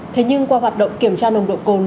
thế nhưng qua hoạt động kiểm tra nồng độ cồn